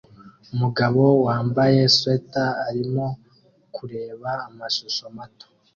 Umugabo wambaye swater arimo kureba amashusho mato